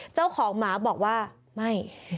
เจ้าของหมาบอกว่าไม่